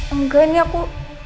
enggak ini aku